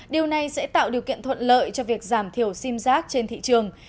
điều này sẽ tạo điều kiện thuận lợi cho việc giảm thiểu sim giác trên thị trường